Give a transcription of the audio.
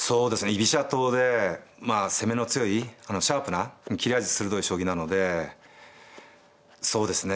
居飛車党でまあ攻めの強いシャープな切れ味鋭い将棋なのでそうですね